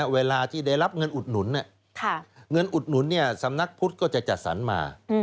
เวลาที่ได้รับเงินอุดหนุนเงินอุดหนุนสำนักพุทธก็จะจัดสรรมา